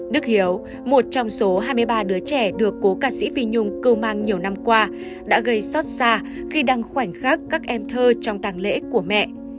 đức hiếu một trong số hai mươi ba đứa trẻ được cố ca sĩ vi nhung cưu mang nhiều năm qua đã gây xót xa khi đang khoảnh khắc các em thơ trong tàng lễ của mẹ